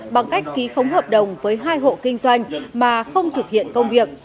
bằng cách ký khống hợp đồng với hai hộ kinh doanh mà không thực hiện công việc